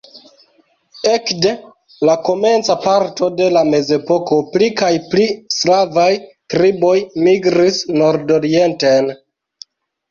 Ekde la komenca parto de la mezepoko pli kaj pli slavaj triboj migris nordorienten.